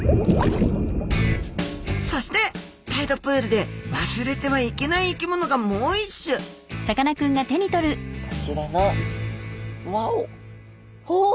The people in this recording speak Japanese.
そしてタイドプールで忘れてはいけない生き物がもう一種こちらのわおっ！